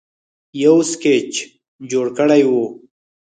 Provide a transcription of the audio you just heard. یو سکیچ جوړ کړی وو